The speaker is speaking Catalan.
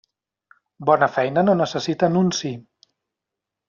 Bona feina no necessita nunci.